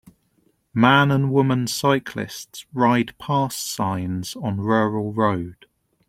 Man and woman cyclists ride pass signs on rural road.